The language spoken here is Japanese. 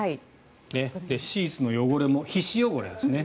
シーツの汚れも皮脂汚れですね